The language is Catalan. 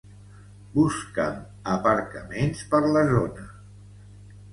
Busca'm aparcaments per la zona.